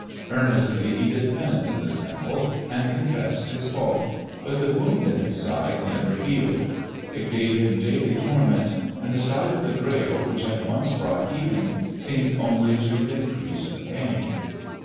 Earnestly he did penance in the temple and confessed his fault, but the wound in his side never healed. It gave him daily torment, and the sight of the Grail which had once brought healing seemed only to increase the pain.